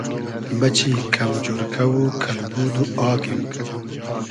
بئچی کئم جورکۂ و کئلبود و آگیم